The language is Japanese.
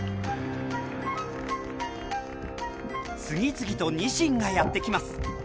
次々とニシンがやって来ます。